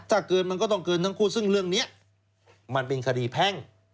ถ้าเกินมันก็ต้องเกินทั้งคู่ซึ่งเรื่องนี้มันเป็นคดีแพ่ง